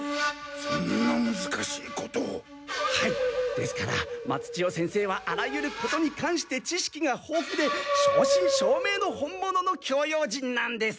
ですから松千代先生はあらゆることに関して知識が豊富で正真正めいの本物の教養人なんです！